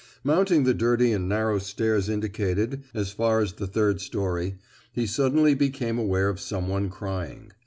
Mounting the dirty and narrow stairs indicated, as far as the third storey, he suddenly became aware of someone crying.